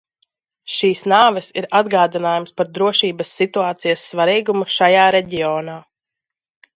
Šīs nāves ir atgādinājums par drošības situācijas svarīgumu šajā reģionā.